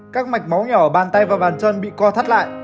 các mạch máu nhỏ bàn tay và bàn chân bị co thắt lại